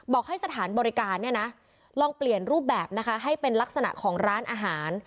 บอกให้สถานบริการเนี่ยนะลองเปลี่ยนรูปแบบนะคะให้เป็นลักษณะของร้านอาหาร